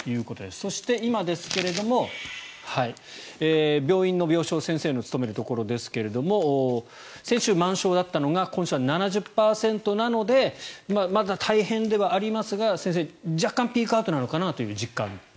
そして今ですが、病院の病床先生の勤めるところですが先週、満床だったのが今週は７０％なのでまだ大変ではありますが先生、若干ピークアウトなのかなという実感と。